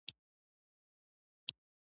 یو سل لس ایاتونه لري.